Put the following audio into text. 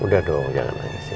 udah dong jangan nangis